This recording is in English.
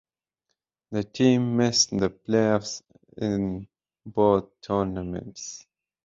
The team missed the playoffs in both tournaments.